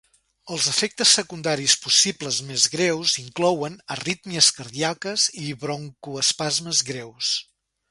Els efectes secundaris possibles més greus inclouen arrítmies cardíaques i broncoespasmes greus.